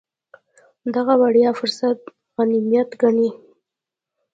دغه وړیا فرصت غنیمت ګڼي.